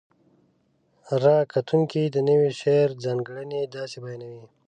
ره کتونکي د نوي شعر ځانګړنې داسې بیانوي: